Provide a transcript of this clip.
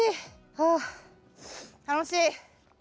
はあ楽しい！